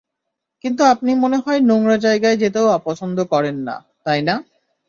কিন্তু আপনি মনে হয় নোংরা জায়গায় যেতেও অপছন করেন না, তাই না?